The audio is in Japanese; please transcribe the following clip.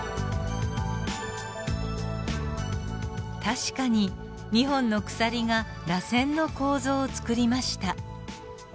確かに２本の鎖がらせんの構造を作りました。